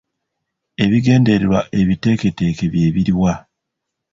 Ebigendererwa ebiteeketeeke bye biriwa?